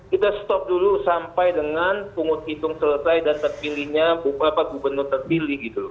kita stop dulu sampai dengan pungut hitung selesai dan terpilihnya gubernur terpilih gitu loh